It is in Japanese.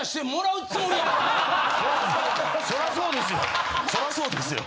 そらそうですよ。